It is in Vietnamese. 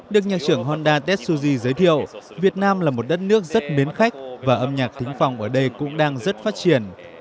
được nhạc trưởng honda tetsuji giới thiệu việt nam là một đất nước rất mến khách và âm nhạc tính phòng ở đây cũng đang rất phát triển